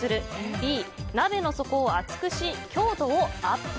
Ｂ、鍋の底を厚くし強度をアップ